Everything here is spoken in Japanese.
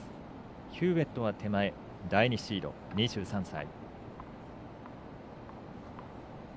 ヒューウェットは第２シード、２３歳。